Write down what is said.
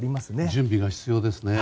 準備が必要ですね。